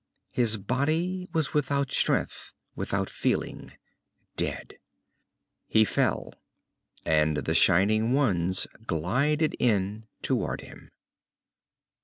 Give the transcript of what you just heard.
His body was without strength, without feeling, dead. He fell, and the shining ones glided in toward him.